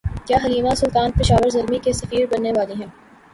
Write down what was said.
کیا Halima Sultan Peshawar Zalmi کی سفیر بننے والی ہیں